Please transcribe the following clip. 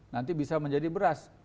nanti bisa menjadi beras